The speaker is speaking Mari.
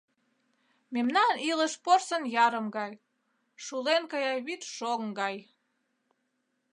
Мемнан илыш порсын ярым гай, шулен кая вӱд шоҥ гай.